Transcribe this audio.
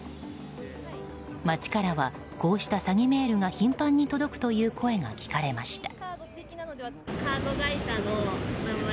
街からはこうした詐欺メールが頻繁に届くという声が聞かれました。